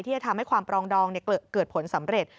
จะทำให้ความปรองดองเกิดผลสำเร็จ